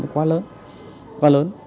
nó quá lớn quá lớn